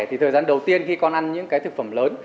thì thời gian đầu tiên khi con ăn những cái thực phẩm lớn